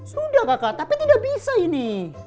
sudah kakak tapi tidak bisa ini